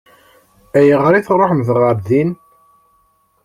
Ayɣer i tṛuḥemt ɣer din?